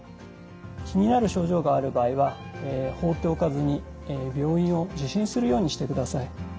気になる症状がある場合は放っておかずに病院を受診するようにしてください。